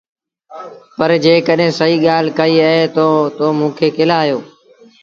پر جيڪڏهينٚ سهيٚ ڳآل ڪئيٚ اهي تا تو موٚنٚ کي ڪݩهݩ لآ هݩيو؟